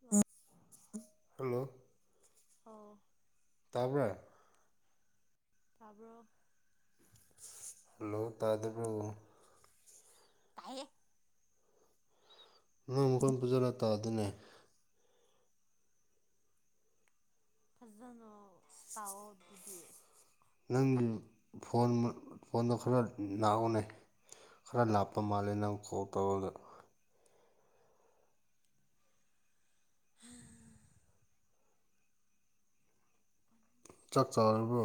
hello hello ꯑꯣ ꯇꯥꯕ꯭ꯔꯥ ꯇꯥꯕ꯭ꯔꯣ ꯍꯜꯂꯣ ꯇꯥꯗꯕꯨꯣ ꯀꯥꯏꯌꯦꯦ ꯅꯪ ꯃꯈꯣꯏ ꯄꯨꯖꯂ ꯇꯥꯗꯅꯦ ꯐꯖꯅ ꯁꯇꯥꯥꯎ ꯑꯗꯨꯗꯤ ꯅꯪꯒꯤ ꯐꯣꯟ ꯐꯣꯟꯗꯣ ꯈꯔ ꯂꯥꯛꯎꯅꯦ ꯈꯔ ꯂꯥꯞꯄ ꯃꯥꯜꯂꯦ ꯅꯪ ꯀꯣꯜ ꯇꯧꯕꯗꯣ [unintelligible] ꯆꯥꯛ ꯆꯥꯔꯕꯣ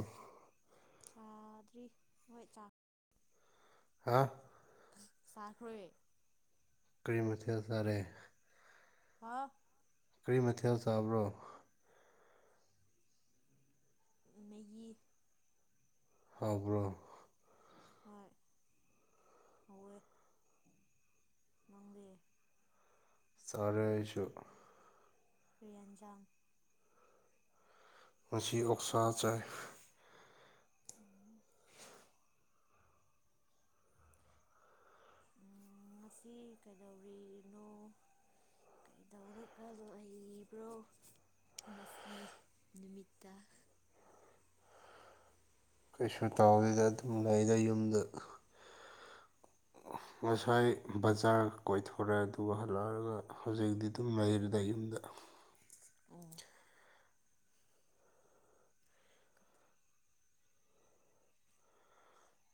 ꯆꯥꯗ꯭ꯔꯤ ꯅꯍꯣꯏ ꯆꯥ ꯍꯥꯥ ꯆꯥꯈ꯭ꯔꯦ ꯀꯔꯤꯃꯊ ꯁꯔꯦ ꯍꯥ ꯀꯔꯤ ꯃꯊꯦꯜ ꯆꯥꯕ꯭ꯔꯣ ꯃ ꯍꯥꯏꯕ꯭ꯔꯣ ꯍꯣꯏ ꯑꯣ ꯅꯪꯗꯦ ꯆꯔꯦꯁꯨ ꯄ꯭ꯔꯤꯌꯥꯟꯖꯝ ꯄꯨꯟꯁꯤ ꯑꯣꯛꯁꯥ ꯆꯥꯏ ꯎꯝ ꯉꯁꯤ ꯀꯩꯗꯧꯔꯤꯅꯣ ꯀꯩꯗꯧꯔꯛꯕ ꯍꯕ꯭ꯔꯣ ꯉꯁꯤ ꯅꯨꯃꯤꯠꯇ ꯀꯩꯁꯨ ꯇꯥꯎꯗꯗ ꯑꯗꯨꯝ ꯂꯩꯗ ꯌꯨꯝꯗ [inaudible] ꯉꯁꯥꯏ ꯕꯖꯥꯔꯒ ꯀꯣꯏꯊꯣꯔꯦ ꯑꯗꯨꯒ ꯍꯜꯂꯛꯑꯒ ꯍꯧꯖꯤꯛꯇꯤ ꯑꯗꯨꯝ ꯂꯩꯔꯗ ꯌꯨꯝꯗ ꯎꯝ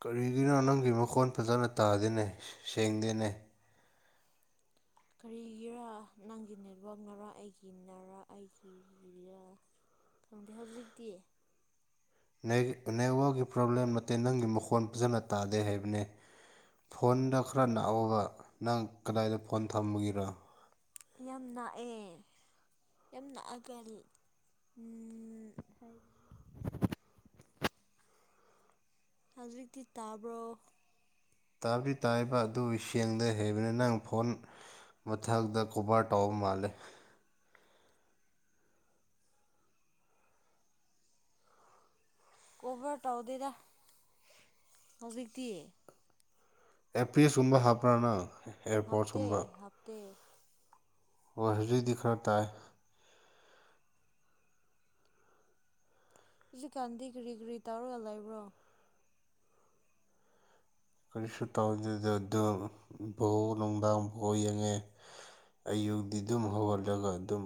ꯀꯔꯤꯒꯤꯅꯣ ꯅꯪꯒꯤ ꯃꯈꯣꯟ ꯐꯖꯅ ꯇꯥꯗꯦꯅꯦ ꯁꯦꯡꯗꯦꯅꯦ ꯀꯔꯤꯒꯤꯔ ꯅꯪꯒꯤ ꯅꯦꯠꯋꯥꯛꯅꯔ ꯑꯩꯒꯤꯟꯅꯔ ꯑꯩꯒꯤꯔ ꯈꯪꯗꯦ ꯍꯧꯖꯤꯛꯇꯤ ꯅꯦꯠꯋꯥꯛꯀꯤ ꯄ꯭ꯔꯣꯕ꯭ꯂꯦꯝ ꯅꯠꯇꯦ ꯅꯪꯒꯤ ꯃꯈꯣꯟ ꯐꯖꯅ ꯇꯥꯗꯦ ꯍꯥꯏꯕꯅꯦ ꯐꯣꯟꯗ ꯈꯔ ꯅꯥꯛꯑꯣꯕ ꯅꯪ ꯀꯗꯥꯏꯗ ꯐꯣꯟ ꯊꯝꯕꯒꯤꯔꯣ ꯌꯥꯝ ꯂꯥꯛꯑꯦ ꯌꯥꯝ ꯅꯛꯑꯀꯜꯂꯤ ꯎ ꯍꯥꯏꯗꯤ ꯍꯧꯖꯤꯛꯇꯤ ꯇꯥꯕ꯭ꯔꯣ ꯇꯥꯗꯤ ꯇꯥꯔꯤꯕ ꯑꯗꯨ ꯁꯦꯡꯗ ꯍꯩꯕꯅꯤ ꯅꯪ ꯐꯣꯟ ꯃꯊꯛꯛꯇ ꯀꯣꯕꯥꯔ ꯇꯥꯎꯕ ꯃꯥꯜꯂꯦ ꯀꯣꯚꯔ ꯇꯧꯗꯦꯗ ꯍꯧꯖꯤꯛꯇꯤ ꯑꯦꯄꯤꯁꯀꯨꯝꯕ ꯊꯛꯄꯔ ꯅꯪ ꯍꯥꯐꯇꯦ ꯑꯦꯌꯔꯄꯣꯔꯠꯁꯀꯨꯝꯕ ꯍꯥꯐꯇꯦ ꯍꯣꯏ ꯍꯧꯖꯤꯛꯗꯤ ꯈꯔ ꯇꯥꯏ ꯍꯧꯖꯤꯛꯀꯥꯟꯗꯤ ꯀꯔꯤ ꯀꯔꯤ ꯇꯧꯔꯒ ꯂꯩꯕ꯭ꯔꯣ ꯀꯔꯤꯁꯨ ꯇꯧꯗꯗ ꯑꯗꯨ ꯣꯛ ꯅꯨꯡꯗꯥꯡ ꯐ ꯌꯦꯡꯉꯦ ꯑꯌꯨꯛꯇꯤ ꯑꯗꯨꯝ ꯍꯧꯍꯜꯂꯒ ꯑꯗꯨꯝ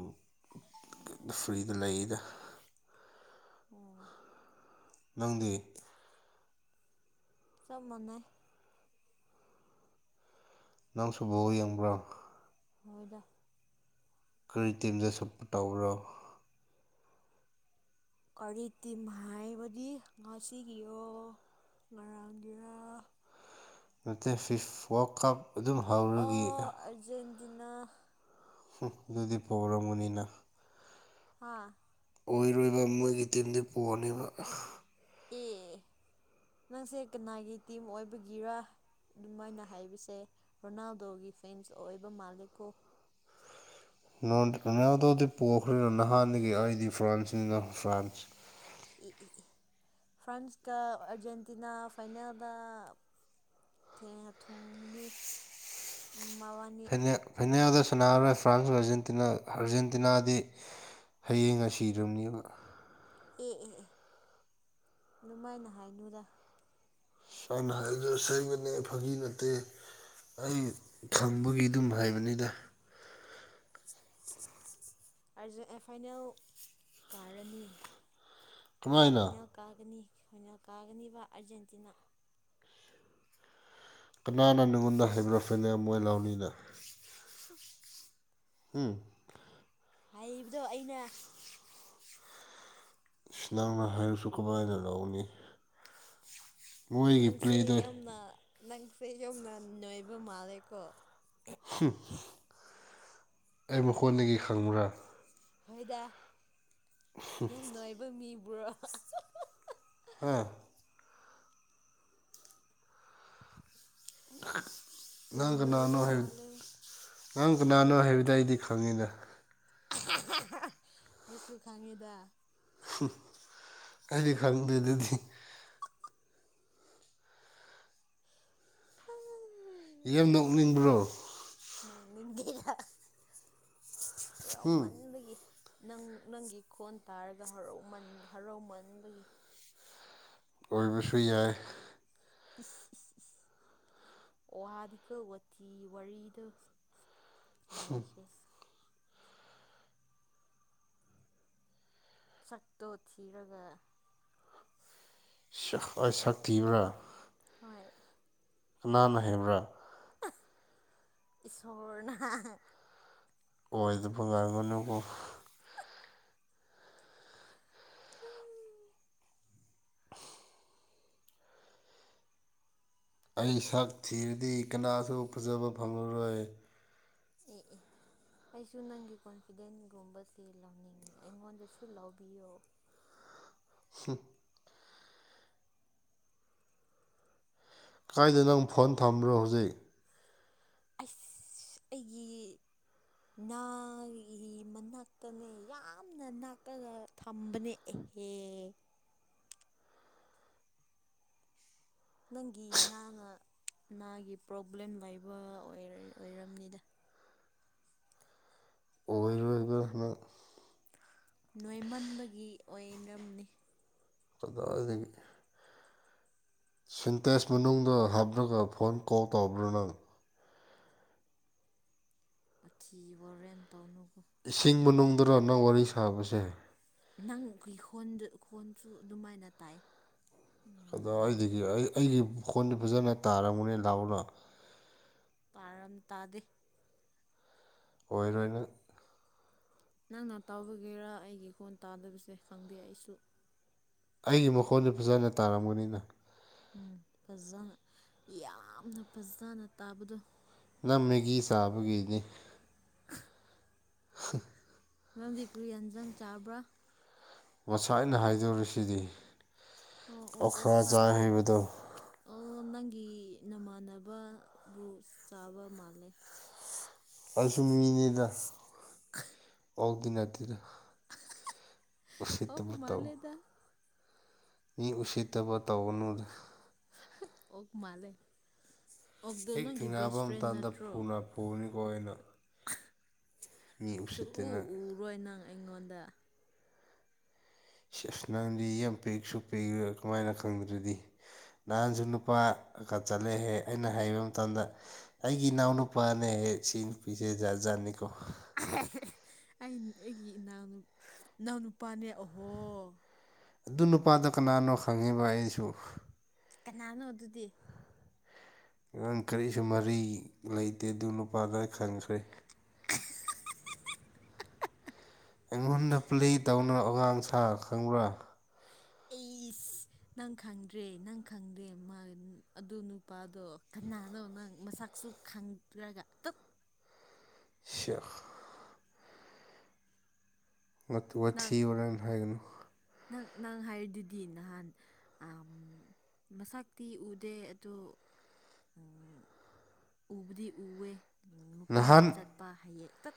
ꯐ꯭ꯔꯤꯗ ꯂꯩꯗ ꯑꯣ ꯅꯪꯗꯤ ꯆꯞ ꯃꯥꯅꯩ ꯅꯪꯁꯨ ꯕꯣꯜ ꯌꯦꯡꯕ꯭ꯔꯣ ꯍꯣꯏꯗ ꯀꯔꯤ ꯇꯤꯝꯗ ꯁꯄꫭꯠ ꯇꯧꯕ꯭ꯔꯣ ꯀꯔꯤ ꯇꯤꯝ ꯍꯥꯏꯕꯗꯤ ꯉꯥꯁꯤꯒꯤꯌꯣ ꯉꯔꯥꯡꯒꯤꯔ ꯅ ꯐꯤꯐ ꯀꯞ ꯑꯗꯨꯝ ꯍꯥꯎ ꯑ ꯑꯔꯖꯦꯟꯇꯤꯅꯥ ꯑꯗꯨꯗꯤ ꯄꯨꯔꯝꯃꯅꯤꯅ ꯍꯥꯥ ꯑꯣꯏꯔꯣꯏꯕ ꯃꯣꯏꯒꯤ ꯇꯤꯝꯗꯤ ꯄꯣꯅꯦꯕ ꯑꯦ ꯅꯪꯁꯦ ꯀꯅꯥꯒꯤ ꯇꯤꯝ ꯑꯣꯏꯕꯒꯤꯔ ꯑꯗꯨꯝꯥꯏꯅ ꯍꯥꯏꯔꯤꯁꯦ ꯔꯣꯅꯥꯜꯗꯣꯒꯤ ꯐꯦꯟꯁ ꯑꯣꯏꯕ ꯃꯥꯂꯦꯀꯣ [unintelligible] ꯔꫭꯅꯥꯜꯗꫭꯗꯤ ꯄꯣꯛꯈ꯭ꯔꯦꯅ ꯅꯍꯥꯟꯗꯒꯤ ꯑꯩꯗꯤ ꯐ꯭ꯔꯥꯟꯁꯅꯤꯅ ꯐ꯭ꯔꯥꯟꯁ ꯏ ꯏ ꯐ꯭ꯔꯥꯟꯁꯀ ꯑꯔꯖꯦꯟꯇꯤꯅꯥ ꯐꯥꯏꯅꯦꯜꯗ ꯊꯦꯡꯅ ꯊꯨꯡꯗꯤ ꯃꯕꯥꯅꯤ ꯐꯥꯏꯅꯦꯜ ꯐꯥꯏꯅꯦꯜꯗ ꯁꯥꯟꯔꯔꯣꯏ ꯐ꯭ꯔꯥꯟꯁ ꯑꯥꯔꯖꯦꯟꯇꯤꯅꯥ ꯑꯥꯔꯖꯦꯟꯇꯤꯅꯥꯗꯤ ꯍꯌꯦꯡꯒ ꯁꯤꯗ꯭ꯔꯕꯅꯦꯕ ꯑꯦ ꯑꯦ ꯑꯦ ꯑꯗꯨꯃꯥꯏꯅ ꯍꯥꯏꯅꯨꯗ ꯁꯥꯏꯅ ꯍꯥꯏꯕꯗꯨ ꯑꯁꯦꯡꯕꯅꯦ ꯐꯥꯒꯤ ꯅꯠꯇꯦ ꯑꯩ ꯈꯪꯕꯒꯤ ꯑꯗꯨꯝ ꯍꯥꯏꯕꯅꯤꯗ ꯑꯩꯁꯨ ꯑꯦ ꯐꯥꯏꯅꯦꯜ ꯀꯥꯔꯅꯤ ꯀꯃꯥꯏꯅ ꯐꯥꯏꯅꯦꯜ ꯀꯥꯒꯅꯤ ꯐꯥꯏꯅꯦꯜ ꯀꯥꯒꯅꯤꯕ ꯑꯥꯔꯖꯦꯟꯇꯤꯅꯥ ꯀꯅꯥꯅ ꯅꯉꯣꯟꯗ ꯍꯥꯏꯕ꯭ꯔ ꯐꯥꯏꯅꯦꯜ ꯃꯣꯏ ꯂꯥꯎꯅꯤꯅ ꯍꯝ ꯍꯥꯏꯕꯗꯣ ꯑꯩꯅ ꯁꯤ ꯅꯪꯅ ꯍꯥꯏꯔꯁꯨ ꯀꯃꯥꯏꯅ ꯂꯧꯅꯤ ꯃꯣꯏꯒꯤ ꯅꯪꯁꯦ ꯄ꯭ꯂꯦꯗꯣ ꯌꯥꯝꯅ ꯅꯪꯁꯦ ꯌꯥꯝꯅ ꯅꯣꯏꯕ ꯃꯥꯜꯂꯦꯀꯣ ꯍꯪ ꯑꯩ ꯃꯈꯣꯟꯗꯒꯤ ꯈꯪꯕ꯭ꯔꯥ ꯍꯣꯏꯗ ꯌꯥꯝ ꯅꫭꯏꯕ ꯃꯤꯕꯨꯔꯣ ꯍꯥ ꯌꯥꯝ ꯅꯪ ꯀꯅꯥꯅꯣ ꯅꯣꯏꯕ ꯍꯥꯏꯌꯨ ꯃꯥꯜꯂꯦ ꯅꯪ ꯀꯅꯥꯅꯣ ꯍꯥꯏꯕꯗ ꯑꯩꯗꯤ ꯈꯪꯉꯦꯅ [unintelligible] ꯑꯩꯁꯨ ꯈꯪꯉꯤꯗ ꯍꯪ ꯑꯩꯗꯤ ꯈꯪꯗꯦ ꯗꯨꯗꯤ ꯌꯥꯝ ꯅꯣꯛꯅꯤꯡꯕ꯭ꯔꯣ [unintelligible] ꯍꯨꯝ ꯍꯔꯥꯎꯃꯟꯕꯒꯤ ꯅꯪ ꯅꯪꯒꯤ ꯈꯣꯟ ꯇꯥꯔꯒ ꯍꯔꯥꯎꯃꯟ ꯍꯔꯥꯎꯃꯟꯕꯒꯤ ꯑꯣꯏꯕꯁꯨ ꯌꯥꯏ ꯏꯁ ꯏꯁ ꯏꯁ [unintelligible] ꯋꯥꯊꯤ ꯋꯥꯔꯤꯗꫭ ꯅꯩꯈ꯭ꯔꯦ ꯁꯛꯇꯣ ꯊꯤꯔꯒ [unintelligible] ꯑꯩ ꯁꯛ ꯊꯤꯕ꯭ꯔꯥ ꯍꯣꯏ ꯀꯅꯥꯅ ꯍꯥꯏꯕ꯭ꯔꯥ [unintelligible] ꯏꯁꯣꯔꯅ [unintelligible] ꯑꯦ ꯑꯩ ꯁꯛ ꯊꯤꯔꯗꯤ ꯀꯅꯥꯁꯨ ꯐꯖꯕ ꯐꯪꯂꯔꯣꯏ ꯑꯦ ꯑꯦ ꯑꯩꯁꯨ ꯅꯪꯒꯤ ꯀꯣꯟꯐꯤꯗꯦꯟꯒꯨꯝꯕꯁꯦ ꯂꯧꯅꯤꯡꯉꯤ ꯑꯩꯉꯣꯟꯗꯁꯨ ꯂꯧꯕꯤꯌꯣ ꯍꯨꯝ ꯀꯥꯏꯗꯅꯣ ꯅꯪ ꯐꯣꯟ ꯊꯝꯕ꯭ꯔꯣ ꯍꯧꯖꯤꯛ ꯑꯁ ꯑꯩꯒꯤ ꯅꯥꯒꯤ ꯃꯅꯥꯛꯇꯅꯦ ꯌꯥꯝꯅ ꯅꯥꯛꯂꯒ ꯊꯝꯕꯅꯦ [unintelligible] ꯅꯪꯒꯤꯅꯥ ꯉ ꯅꯥꯒꯤ ꯄ꯭ꯔꯣꯕ꯭ꯂꯦꯝ ꯂꯩꯕ ꯑꯣꯏꯔ ꯑꯣꯢꯔꯝꯅꯤꯗ [unintelligible] [unintelligible] ꯅꯣꯏꯃꯟꯕꯒꯤ ꯑꯣꯏꯔꯝꯅꯤ ꯀꯗꯥꯏꯗꯒꯤ ꯁꯤꯟꯇꯦꯁ ꯃꯅꯨꯡꯗ ꯍꯥꯞꯂꯒ ꯐꯣꯟ ꯀꯣꯜ ꯇꯧꯔꯕ꯭ꯔꯥ ꯅꯪ ꯋꯤꯊꯤ ꯋꯥꯔꯦꯝ ꯇꯧꯅꯨꯒꯣ ꯏꯁꯤꯡ ꯃꯅꯨꯡꯗꯔꯣ ꯅꯪ ꯋꯥꯔꯤ ꯁꯥꯕꯁꯦ ꯅꯪꯒꯤ ꯈꯣꯟ ꯈꯣꯟꯁꯨ ꯑꯗꯨꯃꯥꯏꯅ ꯇꯥꯏ ꯎꯝ ꯑꯗꯣ ꯑꯩꯗꯒꯤ ꯑꯩ ꯑꯩꯒꯤ ꯈꯣꯟꯗꯤ ꯐꯖꯅ ꯇꯥꯔꯝꯒꯅꯤ ꯂꯥꯎꯅ ꯄꯥꯟ ꯇꯥꯗꯦ ꯑꯣꯏꯔꯣꯏꯅ ꯅꯪꯅ ꯇꯥꯎꯕꯤꯒꯦꯔꯥ ꯑꯩꯒꯤ ꯈꯣꯟ ꯇꯥꯗꯕꯁꯦ ꯈꯪꯗꯦ ꯑꯩꯁꯨ ꯑꯩꯒꯤ ꯃꯈꯣꯟꯗꯤ ꯐꯖꯅ ꯇꯥꯔꯝꯒꯅꯤꯅ ꯎꯝ ꯐꯖꯅ ꯌꯥꯝꯅ ꯐꯖꯅ ꯇꯥꯕꯗꯣ ꯅꯪ ꯃꯦꯒꯤ ꯆꯥꯕꯒꯤꯅꯦ ꯍꯪ [inaudible] ꯅꯪꯗꯤ ꯀ꯭ꯔꯤ ꯌꯥꯟꯁꯥꯡ ꯆꯥꯕ꯭ꯔꯥ ꯉꯁꯥꯢꯅ ꯍꯥꯏꯗꯣꯔꯁꯤꯗꯤ ꯑꯣ ꯑꯣ ꯑꯣꯛꯁꯥꯥ ꯍꯥꯏꯕꯗꯣ ꯑꯣ ꯅꯪꯒꯤ ꯅꯃꯥꯟꯅꯕꯕꯨ ꯆꯥꯕ ꯃꯥꯜꯂꯦ ꯑꯩꯁꯨ ꯃꯤꯅꯤꯗ ꯑꯣꯛꯇꯤ ꯅꯠꯇꯦꯗ ꯑꯣꯛ ꯎꯁꯤꯠꯇꯕ ꯇꯧ ꯃꯥꯂꯦꯗ ꯃꯤ ꯎꯁꯤꯠꯇꯕ ꯇꯧꯒꯅꯨꯗ ꯑꯣꯛ ꯃꯥꯜꯂꯦ ꯑꯣꯛꯗꯣ ꯅꯪꯒꯤ ꯕꯦꯁ ꯐ꯭ꯔꯦꯟ ꯅꯠꯇ꯭ꯔꯣ ꯐꯨꯒꯅꯤꯀꯣ ꯑꯩꯅꯥ ꯁꯨꯛꯎ ꯅꯪ ꯎꯔꯣꯏ ꯅꯪ ꯑꯩꯉꯣꯡꯗ ꯑꯁ ꯅꯪꯗꯤ ꯌꯥꯝ ꯄꯤꯛꯁꯨ ꯄꯤꯛꯑ ꯀꯃꯥꯏꯅ ꯈꯪꯗ꯭ꯔꯗꯤ ꯅꯍꯥꯟꯁꯨ ꯅꯨꯄꯥꯒ ꯆꯠꯂꯦꯍꯦ ꯑꯩꯅ ꯍꯥꯢꯕ ꯃꯇꯝꯗ ꯑꯩꯒꯤ ꯏꯅꯥꯎ ꯅꯨꯨꯄꯥꯅꯦꯍꯦ ꯁꯤ ꯅꯨꯄꯤꯁꯦ ꯖꯥꯠ ꯖꯥꯠꯅꯤꯀꯣ ꯑꯩ ꯑꯩꯒꯤ ꯏꯅꯥꯎ ꯏꯅꯥꯎꯅꯨꯄꯥꯅꯦ ꯑꯍꯣ ꯑꯗꯨ ꯅꯨꯄꯥꯗ ꯀꯅꯥꯅꯣ ꯈꯪꯉꯤꯕ ꯑꯩꯁꯨ ꯀꯅꯥꯅꯣ ꯑꯗꯨꯗꯤ ꯅꯥ ꯀꯔꯤꯁꯨ ꯃꯔꯤ ꯂꯩꯇꯦ ꯑꯗꯨ ꯅꯨꯄꯥꯗꯣ ꯈꯪꯈ꯭ꯔꯦ ꯑꯩꯉꯣꯟꯗ ꯄꯨꯂꯤ ꯇꯧꯅꯨ ꯑꯉꯥꯡ ꯁꯥ ꯈꯪꯕ꯭ꯔꯥ ꯑꯩꯁ ꯅꯪ ꯈꯪꯗ꯭ꯔꯦ ꯅꯪ ꯈꯪꯗꯦ ꯃꯥ ꯑꯗꯨ ꯅꯨꯄꯥꯗꯣ ꯀꯅꯥꯅꯣ ꯅꯪ ꯃꯁꯛꯁꯨ ꯈꯪꯗ꯭ꯔꯒ ꯇꯨꯞ ꯁꯤꯌꯥ ꯅꯪ ꯋꯥꯊꯤ ꯋꯥꯔꯦꯝ ꯍꯥꯏꯒꯅꯨ ꯅꯪ ꯅꯪ ꯍꯥꯏꯔꯤꯗꯨꯗꯤ ꯅꯍꯥꯟ ꯃꯁꯛꯇꯤ ꯎꯗꯦ ꯑꯗꯣ ꯎꯕꯨꯗꯤ ꯎꯋꯦ ꯅꯨꯄꯥꯒ ꯅꯍꯥꯟ ꯆꯠꯄ ꯍꯥꯏꯌꯦ ꯇꯠ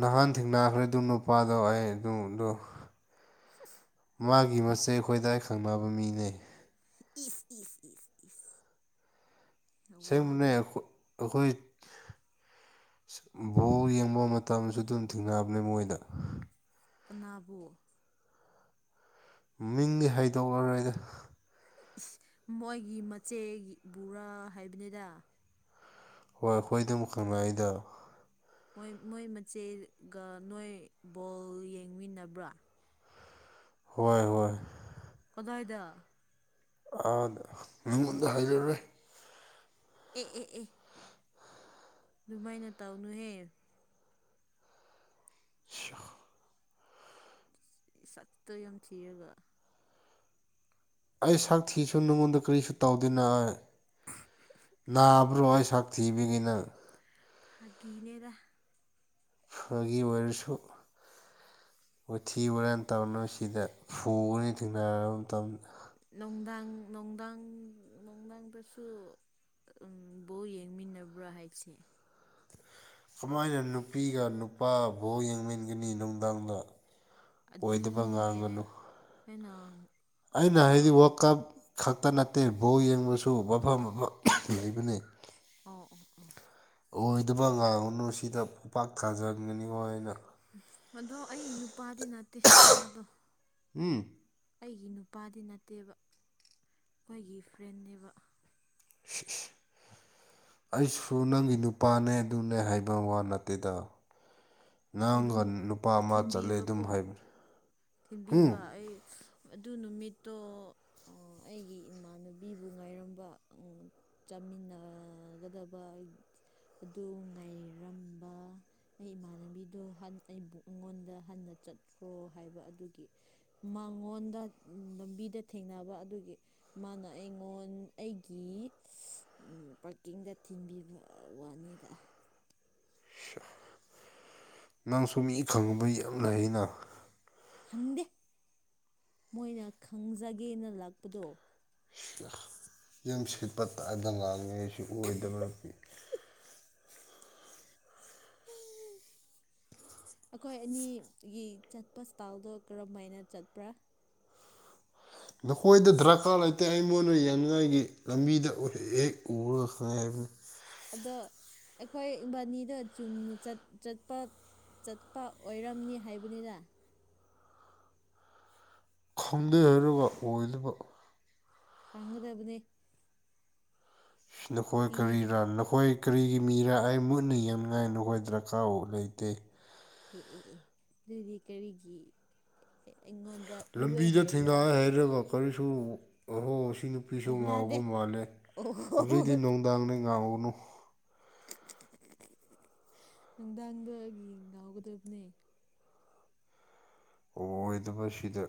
ꯅꯍꯥꯟ ꯊꯦꯡꯅꯈ꯭ꯔꯦ ꯑꯗꯨ ꯅꯨꯄꯥꯗꯣ ꯑꯩ ꯑꯗꯨꯗꯣ ꯁꯤꯏꯁ ꯃꯥꯒꯤ ꯃꯆꯦ ꯈꯣꯏꯗꯣ ꯑꯩꯒ ꯈꯪꯅꯕ ꯃꯤꯅꯦ ꯏꯁ ꯏꯁ ꯏꯁ ꯏꯁ ꯁꯦꯡꯕꯅꯦ ꯋꯥꯗꯣ ꯑꯩꯈꯣꯏ ꯕꯣꯜ ꯌꯦꯡꯕ ꯃꯇꯝꯁꯨ ꯑꯗꯨꯝ ꯊꯦꯡꯅꯕꯅꯦ ꯃꯣꯏꯗ ꯀꯅꯥꯕꯨ ꯃꯤꯡꯗꯤ ꯍꯩꯗꯣꯛꯂꯔꯣꯏꯗ ꯃꯣꯏꯒꯤ ꯃꯆꯦꯒꯤ ꯕꯨꯔꯥ ꯍꯥꯏꯕꯅꯤꯗ ꯍꯣꯏ ꯑꯩꯈꯣꯏ ꯑꯗꯨꯝ ꯈꯪꯅꯩꯗ ꯃꯣꯏ ꯃꯣꯏ ꯃꯆꯦꯒ ꯅꯣꯏ ꯕꯣꯜ ꯌꯦꯡꯃꯤꯟꯅꯕ꯭ꯔꯥ ꯍꯣꯏ ꯍꯣꯏ ꯀꯗꯥꯏꯗ ꯑꯗ ꯃꯤꯉꯣꯟꯗ ꯍꯥꯏꯔꯔꯣꯏ ꯑꯦ ꯑꯦ ꯑꯦ ꯑꯗꯨꯃꯥꯏꯅ ꯇꯧꯅꯨꯍꯦ ꯁꯤꯑꯥ ꯁꯠꯇꯣ ꯌꯥꯝ ꯊꯤꯔꯒ ꯑꯩ ꯁꯛ ꯊꯤꯁꯨ ꯅꯪꯉꯣꯟꯗ ꯀꯔꯤꯁꯨ ꯇꯧꯗꯦꯅ ꯅꯥꯕ꯭ꯔꯣ ꯑꯩ ꯁꯛ ꯊꯤꯕꯒꯤꯅꯪ ꯐꯥꯒꯤ ꯅꯦꯗ ꯐꯒꯤ ꯑꯣꯏꯔꯁꯨ ꯋꯊꯤ ꯋꯥꯨꯔꯥꯟ ꯇꯧꯅꯨ ꯁꯤꯗ ꯐꯨꯒꯅꯤ ꯊꯦꯡꯅꯔꯕ ꯃꯇꯝꯗ ꯅꯨꯡꯗꯥꯡ ꯅꯨꯡꯗꯥꯡ ꯅꯨꯡꯗꯥꯡꯗꯁꯨ ꯕꯣ ꯌꯦꯡꯃꯤꯟꯅꯕ꯭ꯔꯥ ꯍꯥꯏꯁꯦ ꯀꯃꯥꯏꯅ ꯅꯨꯄꯤꯒ ꯅꯨꯄꯥꯒ ꯕꯣꯜ ꯌꯦꯡꯃꯤꯟꯅꯒꯅꯤ ꯅꯨꯡꯗꯥꯡꯗ ꯑꯣꯏꯗꯕ ꯑꯗꯨꯅꯦ ꯉꯥꯡꯒꯅꯨ ꯑꯩꯅ ꯑꯩꯅ ꯍꯥꯏꯗꯤ ꯑꯣ ꯋꯥꯜ ꯀꯞ ꯈꯛꯇ ꯅꯠꯇꯦ ꯕꯣꯜ ꯌꯦꯡꯉꯨꯆꯣ ꯃꯐꯝ ꯃꯐꯝ ꯂꯩꯕꯅꯤ ꯑꯣ ꯑꯣꯏꯗꯕ ꯉꯥꯡꯉꯨꯅꯨ ꯁꯤꯗ ꯈꯨꯄꯥꯛ ꯊꯥꯖꯟꯒꯅꯤꯉꯣ ꯍꯥꯏꯅ ꯎ ꯑꯗꯣ ꯑꯩ ꯅꯨꯄꯥꯗꯤ ꯅꯠꯇꯦ ꯃꯥꯗꯣ ꯎꯝ ꯑꯩꯒꯤ ꯅꯨꯄꯥꯗꯤ ꯅꯠꯇꯦꯕ ꯑꯩꯈꯣꯏꯒꯤ ꯐ꯭ꯔꯦꯟꯅꯦꯕ [unintelligible] ꯑꯩꯁꯨ ꯅꯪꯒꯤ ꯅꯨꯄꯥꯅꯦ ꯑꯗꯨꯅꯦ ꯍꯥꯏꯕ ꯋꯥ ꯅꯠꯇꯦꯗ ꯅꯪꯒ ꯑꯗꯨꯝ ꯅꯨꯄꯥ ꯑꯃ ꯆꯠꯂꯦ ꯑꯗꯨꯝ ꯊꯤꯟꯕꯤꯕꯀꯣ ꯍꯥꯏꯕꯅꯤ ꯊꯤꯟꯕꯤꯕ ꯑꯩ ꯑꯗꯨ ꯅꯨꯃꯤꯠꯇꯣ ꯑꯩꯒꯤ ꯏꯃꯥꯟꯅꯕꯤꯕꯨ ꯉꯥꯏꯔꯝꯕ ꯎ ꯆꯥꯃꯤꯟꯅꯒꯗꯕ ꯑꯗꯨ ꯉꯥꯏꯔꯝꯕ ꯑꯩ ꯏꯃꯥꯟꯅꯕꯤꯗꯣ ꯑꯩꯕꯨ ꯑꯩꯉꯣꯟꯗ ꯍꯟꯅ ꯆꯠꯈ꯭ꯔꯣ ꯍꯥꯏꯕ ꯑꯗꯨꯒꯤ ꯃꯉꯣꯟꯗ ꯂꯝꯕꯤꯗ ꯊꯦꯡꯅꯕ ꯑꯗꯨꯒꯤ ꯃꯥꯅ ꯑꯩꯉꯣꯟ ꯑꯩꯒꯤ ꯄꯥꯔꯀꯤꯡꯗ ꯊꯤꯟꯕꯤꯕ ꯋꯥꯅꯤꯗ ꯅꯪꯁꯨ ꯃꯤ ꯈꯪꯉꯕ ꯌꯥꯝ ꯂꯩ ꯑꯩꯅ ꯈꯪꯗꯦ ꯃꯣꯏꯅ ꯈꯪꯖꯒꯦꯅ ꯂꯥꯛꯄꯗꯣ ꯌꯨꯝ ꯁꯤꯠꯄ ꯇꯗ ꯉꯥꯡꯑꯦꯁꯨ ꯑꯣꯏꯗꯕ ꯁꯤ ꯑꯩꯈꯣꯏ ꯑꯅꯤꯒꯤ ꯆꯠꯄ ꯏꯁꯇꯥꯜꯗꯣ ꯀꯔꯝꯃꯥꯏꯅ ꯆꯠꯄ꯭ꯔꯥ ꯅꯈꯣꯏꯗ ꯗꯔꯀꯥꯔ ꯂꯩꯇꯦ ꯑꯩꯉꯣꯟꯗ ꯌꯥꯅꯤꯡꯉꯥꯏꯒꯤ ꯂꯝꯕꯤꯗ ꯍꯦꯛ ꯍꯦꯛ ꯎꯔꯒ ꯈꯪꯉꯦ ꯍꯥꯏꯕꯅꯤ ꯑꯗꯣ ꯑꯩꯈꯣꯏ ꯏꯕꯥꯅꯤꯗ ꯆꯨꯝꯅ ꯆꯠ ꯆꯠꯄ ꯆꯠꯄ ꯑꯣꯏꯔꯝꯅꯤ ꯍꯥꯏꯕꯅꯤꯗ ꯈꯪꯗꯦ ꯑꯗꯨꯒ ꯑꯣꯏꯗꯕ ꯄꯥꯡꯒꯗꯕꯅꯤ [unintelligible] ꯅꯈꯣꯏ ꯇꯤ ꯀꯔꯤꯔꯥ ꯅꯈꯣꯏ ꯀꯔꯤꯒꯤ ꯃꯤꯔ ꯑꯩ ꯃꯨꯠꯅ ꯌꯦꯡꯅꯤꯡꯉꯥꯏ ꯅꯈꯣꯏ ꯗꯔꯀꯥꯔ ꯂꯩꯇꯦ ꯑꯦ ꯑꯦ ꯑꯦ ꯑꯗꯨꯗꯤ ꯀꯔꯤꯒꯤ ꯑꯩꯉꯣꯟꯗ ꯎꯑꯦ ꯂꯝꯕꯤꯗ ꯍꯥꯏꯕ꯭ꯔꯥ ꯊꯦꯡꯅꯩ ꯍꯥꯏꯔꯒ ꯀꯔꯤꯁꯨ ꯑꯍꯣ ꯁꯤ ꯅꯨꯄꯤꯁꯨ ꯉꯥꯎꯕ ꯊꯦꯡꯅꯗꯦ ꯃꯥꯜꯂꯦ ꯑꯣ ꯍꯧꯖꯤꯛꯇꯤ ꯅꯣꯡꯗꯥꯡꯗ ꯉꯥꯎꯎꯨꯅꯨ ꯅꯨꯡꯗꯥꯡꯗ ꯌꯦ ꯉꯎꯒꯗꯕꯅꯦ ꯑꯣꯏꯗꯕꯁꯤꯗ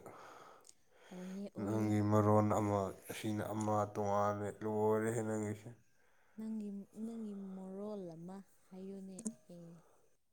ꯑꯣꯏꯌꯦ ꯑꯣꯏꯌꯦ ꯅꯪꯒꯤ ꯃꯔꯣꯟ ꯑꯃ ꯑꯁꯤꯅ ꯑꯃ ꯇꯣꯉꯥꯟꯜꯂꯦ ꯂꯣꯏꯔꯦꯍꯦ ꯅꯪꯒꯤ ꯅꯪꯒꯤ ꯅꯪꯒꯤ ꯃꯣꯜ ꯑꯃ ꯍꯥꯏꯌꯨꯅꯦꯍꯦ